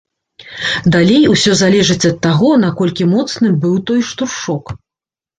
Далей усё залежыць ад таго наколькі моцным быў той штуршок.